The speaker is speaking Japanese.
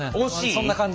そんな感じ？